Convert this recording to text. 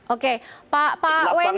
oke pak wengi